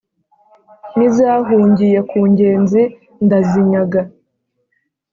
n’izahungiye ku ngenzi ndazinyaga.